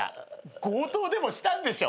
強盗でもしたんでしょ。